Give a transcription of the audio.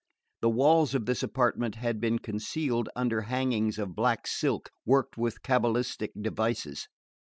The walls of this apartment had been concealed under hangings of black silk worked with cabalistic devices.